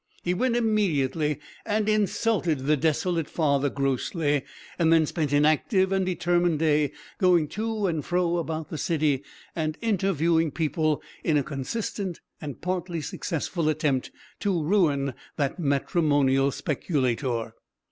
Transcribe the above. He went immediately and insulted the desolate father grossly, and then spent an active and determined day going to and fro about the city and interviewing people in a consistent and partly successful attempt to ruin that matrimonial speculator.